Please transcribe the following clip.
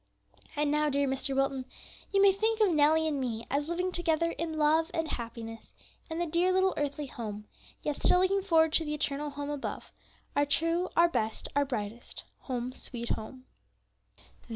"And now, dear Mr. Wilton, you may think of Nellie and me as living together in love and happiness in the dear little earthly home, yet still looking forward to the eternal home above, our true, our best, our brightest 'HOME, SWEET HOME.'"